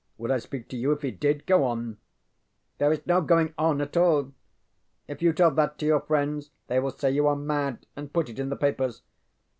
Would I speak to you if he did? Go on! ŌĆØ ŌĆ£There is no going on at all. If you tell that to your friends they will say you are mad and put it in the papers.